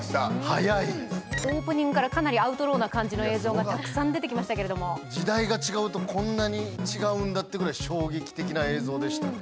はやいオープニングからかなりアウトローな感じの映像がたくさん出てきましたけれども時代が違うとこんなに違うんだってぐらい衝撃的な映像でしたね